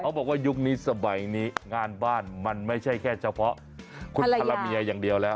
บอกว่ายุคนี้สมัยนี้งานบ้านมันไม่ใช่แค่เฉพาะคุณภรรเมียอย่างเดียวแล้ว